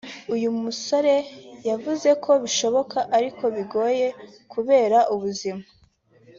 uyu musore yavuze ko bishoboka ariko bigoye kubera ubuzima